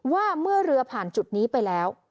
ว่าเมื่อเรือผ่านจุดนี้ไปแล้ว